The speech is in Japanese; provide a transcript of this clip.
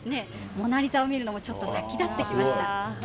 モナ・リザを見るのも、ちょっと殺気立ってきました。